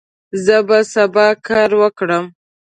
زه به سبا کار وکړم.